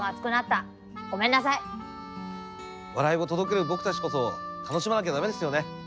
笑いを届ける僕たちこそ楽しまなきゃ駄目ですよね。